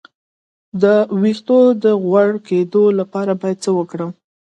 د ویښتو د غوړ کیدو لپاره باید څه وکړم؟